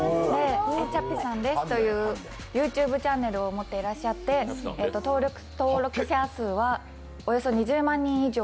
ちゃぴさんですというＹｏｕＴｕｂｅチャンネルを持っていらっしゃって、登録者数はおよそ２０万人以上。